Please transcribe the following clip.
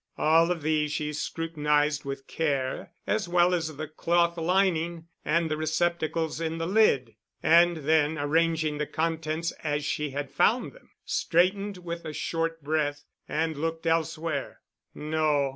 All of these she scrutinized with care, as well as the cloth lining and the receptacles in the lid, and then arranging the contents as she had found them, straightened with a short breath, and looked elsewhere. No.